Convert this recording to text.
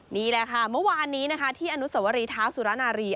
นี่แหละค่ะเมื่อวานนี้นะคะที่อนุสวรีเท้าสุรนารี